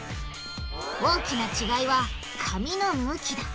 大きな違いは紙の向きだ。